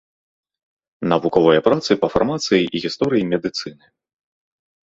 Навуковыя працы па фармацыі і гісторыі медыцыны.